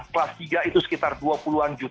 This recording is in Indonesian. kelas tiga itu sekitar rp dua puluh